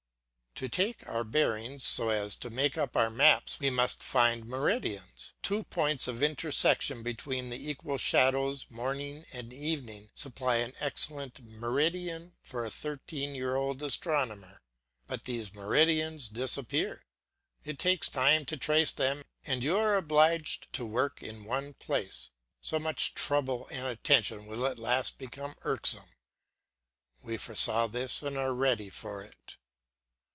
To take our bearings so as to make our maps we must find meridians. Two points of intersection between the equal shadows morning and evening supply an excellent meridian for a thirteen year old astronomer. But these meridians disappear, it takes time to trace them, and you are obliged to work in one place. So much trouble and attention will at last become irksome. We foresaw this and are ready for it.